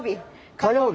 火曜日。